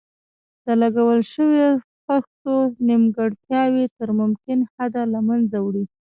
د لګول شویو خښتو نیمګړتیاوې تر ممکن حده له منځه وړي.